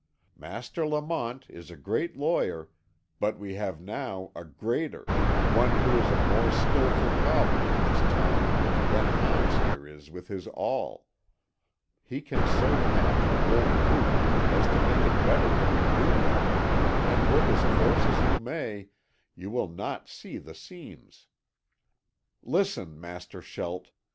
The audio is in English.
Master Lamont is a great lawyer, but we have now a greater, one who is a more skilful cobbler with his tongue than Hans here is with his awl; he can so patch an old boot as to make it better than a new one, and look as close as you may, you will not see the seams. Listen, Master Schelt.